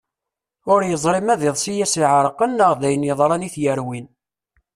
Ur yeẓri ma d iḍes i as-iɛerqen neɣ d ayen yeḍran i t-yerwin.